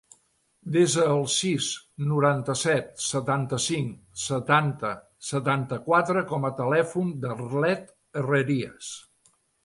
Desa el sis, noranta-set, setanta-cinc, setanta, setanta-quatre com a telèfon de l'Arlet Herrerias.